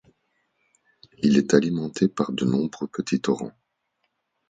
Il est alimenté par de nombreux petits torrents.